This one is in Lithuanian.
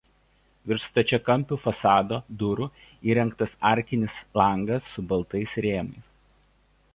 Virš stačiakampių fasado durų įrengtas arkinis langas su baltais rėmais.